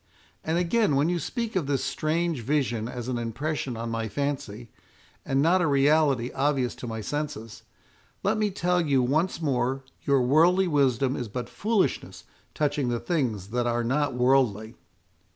And again, when you speak of this strange vision as an impression on my fancy, and not a reality obvious to my senses, let me tell you once more, your worldly wisdom is but foolishness touching the things that are not worldly."